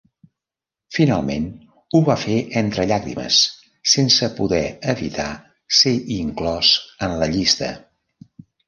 Finalment ho va fer entre llàgrimes, sense poder evitar ser inclòs en la llista.